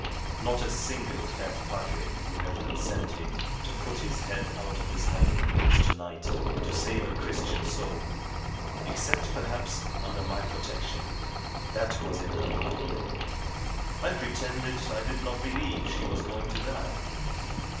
Not a single fat padre would have consented to put his head out of his hiding place to night to save a Christian soul, except, perhaps, under my protection. That was in her mind. I pretended I did not believe she was going to die.